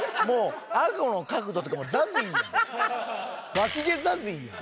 わき毛ＺＡＺＹやん。